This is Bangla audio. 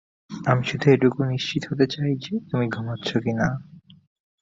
আমি শুধু এটুকু নিশ্চিত হতে চাই যে, তুমি ঘুমাচ্ছো কিনা।